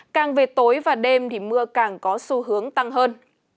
càng về tối và đêm thì mưa càng có xu hướng tăng hơn